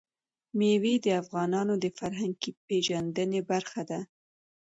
مېوې د افغانانو د فرهنګي پیژندنې برخه ده.